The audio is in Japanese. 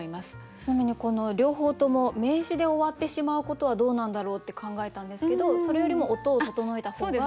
ちなみにこの両方とも名詞で終わってしまうことはどうなんだろうって考えたんですけどそれよりも音を整えた方が？